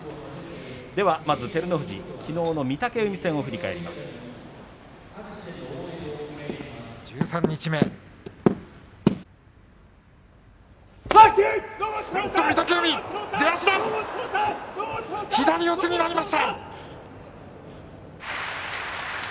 まず照ノ富士きのうの御嶽海戦を振り返ります。